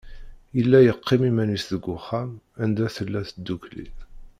Yella yeqqim iman-is deg uxxam anda tella tdukkli.